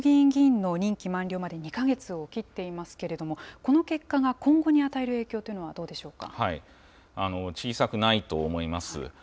１０月の衆議院議員の任期満了まで２か月を切っていますけれども、この結果が今後に与える影響というのはどうでしょうか？